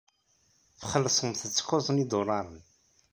Txellṣemt-t kuẓ n yidulaṛen.